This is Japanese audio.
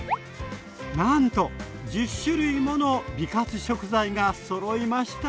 なんと１０種類もの美活食材がそろいました。